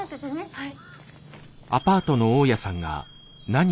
はい。